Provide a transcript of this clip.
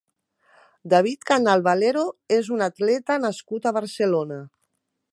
David Canal Valero és un atleta nascut a Barcelona.